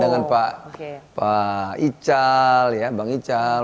dengan pak ical ya bang ical